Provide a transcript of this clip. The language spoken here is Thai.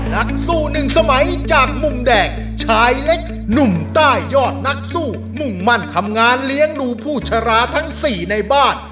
นักสู้หนึ่งสมัยจากมุมแดงชายเล็กหนุ่มใต้ยอดนักสู้มุ่งมั่นทำงานเลี้ยงดูผู้ชราทั้ง๔ในบ้าน